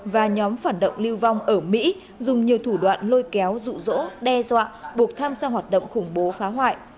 và nhóm phản động lưu vong ở mỹ dùng nhiều thủ đoạn lôi kéo rụ rỗ đe dọa buộc tham gia hoạt động khủng bố phá hoại